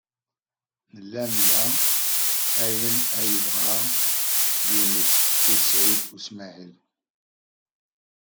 Nella nla ayen ay yebɣa Yunes u Saɛid u Smaɛil.